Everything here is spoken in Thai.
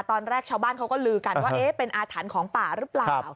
ตอนแรกชาวบ้านเขาก็ลือกันว่าเป็นอาถรรพ์ของป่าหรือเปล่า